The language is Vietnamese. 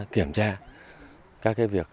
kiểm tra các việc